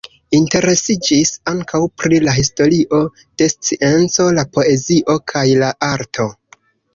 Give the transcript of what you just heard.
Li interesiĝis ankaŭ pri la historio de scienco, la poezio kaj la arto.